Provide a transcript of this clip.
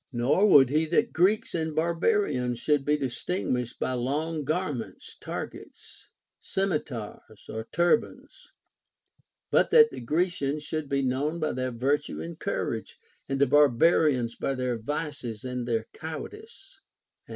ISJ^or would he that Greeks and barbarians should be distinguished by long garments, targets, scimitars, or turbans ; but that the Grecians should be known by their virtue and courage, and the barbarians by their vices and their cowardice ; and VOL.